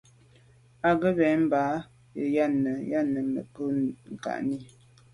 Á cúp mbə̄ mbā gə̀ yɑ́nə́ à' yɑ́nə́ mɛ̀n gə̀ rə̌ nə̀ lódə́ mû' kání.